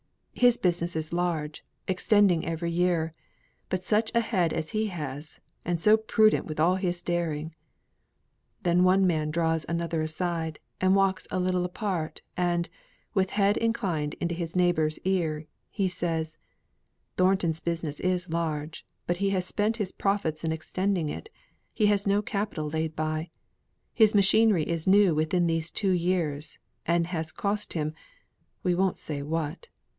"His business is large extending every year; but such a head as he has, and so prudent with all his daring!" Then one man draws another aside, and walks a little apart, and with head inclined into his neighbour's ear, he says, "Thornton's business is large; but he has spent his profits in extending it; he has no capital laid by; his machinery is new within these two years, and has cost him we won't say what!